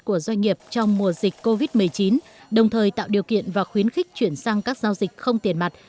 của doanh nghiệp trong mùa dịch covid một mươi chín đồng thời tạo điều kiện và khuyến khích chuyển sang các giao dịch không tiền mặt